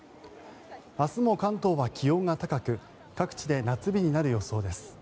明日も関東は気温が高く各地で夏日になる予想です。